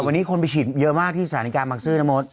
แต่วันนี้คนไปฉีดเยอะมากที่สถานการณ์มักซื้อนะโมด